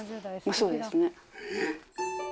そうですね。